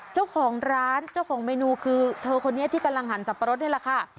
เจ้าของร้านเจ้าของเมนูคือเธอคนนี้ที่กำลังหันสับปะรดนี่แหละค่ะ